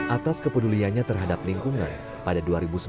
atas kepeduliannya terhadap lingkungan pada dua ribu sembilan